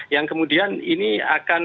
yang kemudian ini akan